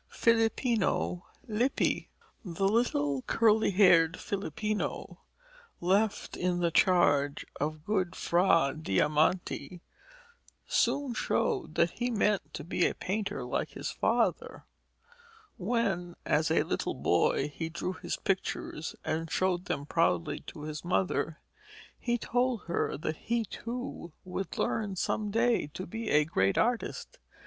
FILIPPINO LIPPI The little curly haired Filippino, left in the charge of good Fra Diamante, soon showed that he meant to be a painter like his father. When, as a little boy, he drew his pictures and showed them proudly to his mother, he told her that he, too, would learn some day to be a great artist.